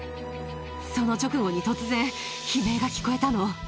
その直後に突然、悲鳴が聞こえたの。